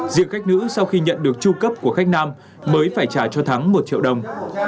diệu khách nữ sau khi nhận được tru cấp của khách nam mới phải trả cho thắng một triệu đồng